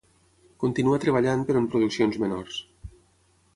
Continua treballant però en produccions menors.